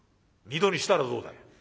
「二度にしたらどうだよ？」。